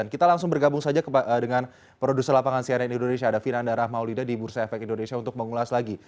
kita langsung bergabung saja dengan produser lapangan cnn indonesia ada vinanda rahmaulida di bursa efek indonesia untuk mengulas lagi